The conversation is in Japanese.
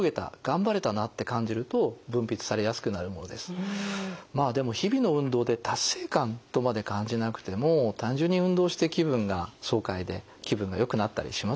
だからまあでも日々の運動で達成感とまで感じなくても単純に運動して気分が爽快で気分がよくなったりしますよね。